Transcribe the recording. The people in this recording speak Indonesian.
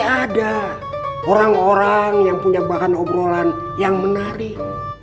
ada orang orang yang punya bahkan obrolan yang menarik